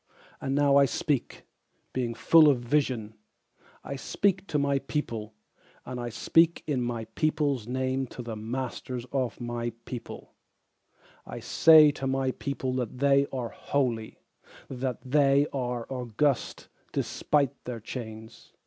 And now I speak, being full of vision: I speak to my people, and I speak in my peopleŌĆÖs name to The masters of my people: I say to my people that they are holy, That they are august despite their chains.